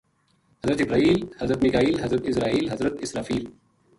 حضرت جبرائیل، حضرت میکائیل، حضرت عزرائیل، حضرت اسرافیل